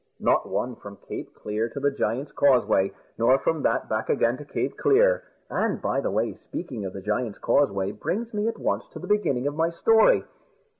Not one, from Cape Clear to the Giant's Causeway, nor from that back again to Cape Clear. And, by the way, speaking of the Giant's Causeway brings me at once to the beginning of my story.